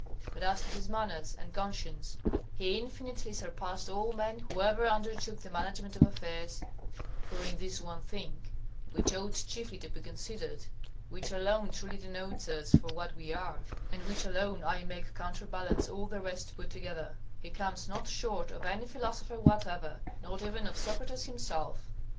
But as to his manners and conscience, he infinitely surpassed all men who ever undertook the management of affairs; for in this one thing, which ought chiefly to be considered, which alone truly denotes us for what we are, and which alone I make counterbalance all the rest put together, he comes not short of any philosopher whatever, not even of Socrates himself.